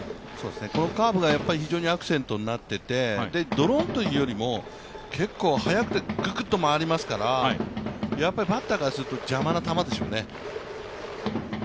このカーブが非常にアクセントとなってきていて、ドロンというよりも、結構速くてググッと曲がりますから、バッターからすると邪魔な球でしょうね。